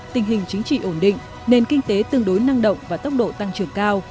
tình hình chính trị ổn định nền kinh tế tương đối năng động và tốc độ tăng trưởng cao